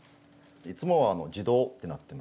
いつもは「自動」ってなってます。